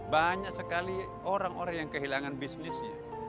banyak sekali orang orang yang kehilangan bisnisnya